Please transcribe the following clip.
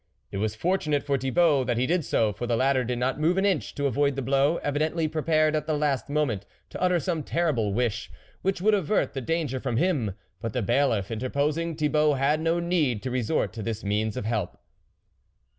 It was for tunate for Thibault that he did so, for the latter did not move an inch to avoid the blow, evidently prepared at the last mo ment to utter some terrible wish which would avert the danger from him ; but the Bailiff interposing, Thibault had no need to resort to this means of help.